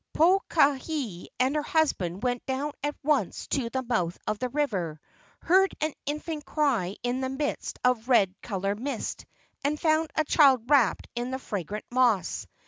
Pokahi and her husband went down at once to the mouth of the river, heard an infant cry in the midst of red colored mist, and found a child wrapped in the fragrant moss.